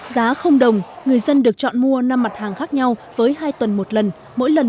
giá không đồng người dân được chọn mua năm mặt hàng khác nhau với hai tuần một lần